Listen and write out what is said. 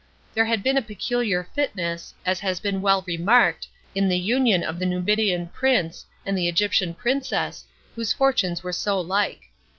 There had been a peculiar fitness, as has been well remarked, hi the union of the Numidian prince and the Egyptian princess, whose fortunes were so like.